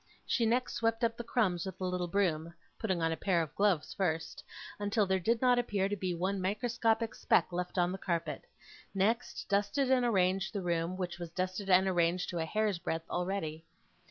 She next swept up the crumbs with a little broom (putting on a pair of gloves first), until there did not appear to be one microscopic speck left on the carpet; next dusted and arranged the room, which was dusted and arranged to a hair's breadth already.